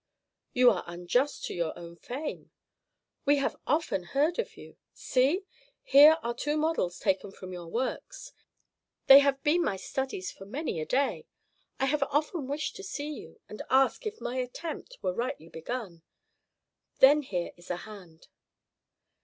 "You are unjust to your own fame. We have often heard of you. See, here are two models taken from your works. They have been my studies for many a day. I have often wished to see you, and ask if my attempt were rightly begun. Then here is a hand."